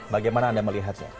bagaimana anda melihatnya